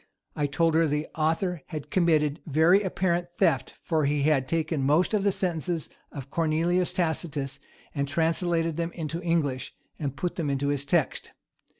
I told her, the author had committed very apparent theft; for he had taken most of the sentences of Cornelius Tacitus, and translated them into English, and put them into his text.